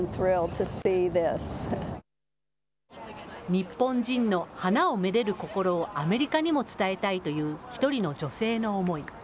日本人の花をめでる心をアメリカにも伝えたいという１人の女性の思い。